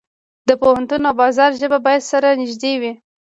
د پوهنتون او بازار ژبه باید سره نږدې وي.